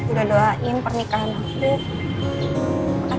udah doain pernikahan aku